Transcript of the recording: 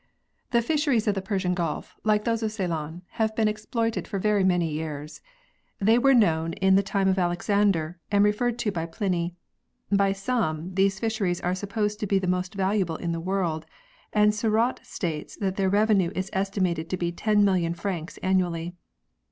The fisheries of the Persian Gulf, like those of Ceylon, have been exploited for very many years. They were known in the time of 62 84 PEARLS [CH. Alexander and referred to by Pliny. By some, these fisheries are supposed to be the most valuable in the world and Seurat states that their revenue is estimated to be 10 million francs annually.